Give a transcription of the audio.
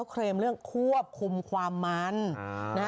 เครมเรื่องควบคุมความมัน